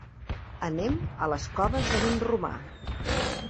Anem a les Coves de Vinromà.